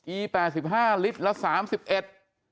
อี๘๕ลิตรละ๓๑บาท